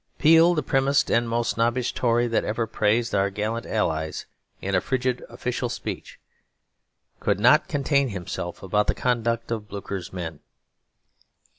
Peel, the primmest and most snobbish Tory that ever praised "our gallant Allies" in a frigid official speech, could not contain himself about the conduct of Blucher's men.